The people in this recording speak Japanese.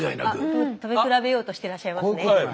食べ比べようとしてらっしゃいますね。